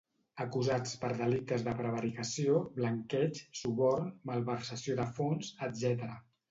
Acusats per delictes de prevaricació, blanqueig, suborn, malversació de fons, etc.